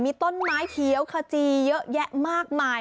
มีต้นไม้เขียวขจีเยอะแยะมากมาย